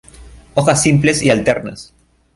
Hojas simples y alternas.